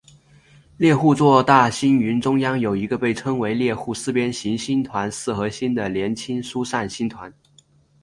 猎户座大星云中央有一个被称为猎户四边形星团四合星的年轻疏散星团。